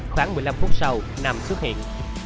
khoảng một mươi năm phút sau nam xuất hiện